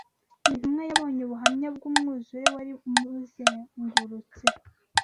Iyi ntumwa yabonye ubuhamya bw’umwuzure wari umuzengurutse